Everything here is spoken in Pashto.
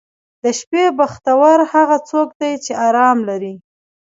• د شپې بختور هغه څوک دی چې آرام لري.